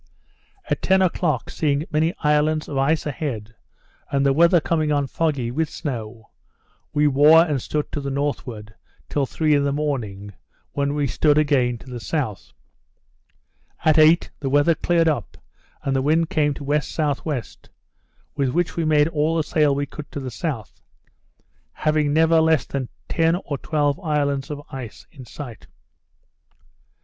At ten o'clock, seeing many islands of ice a head, and the weather coming on foggy, with snow, we wore and stood to the northward, till three in the morning, when we stood again to the south. At eight, the weather cleared up, and the wind came to W.S.W., with which we made all the sail we could to the south; having never less than ten or twelve islands of ice in sight.